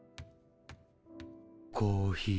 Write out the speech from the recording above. コーヒー。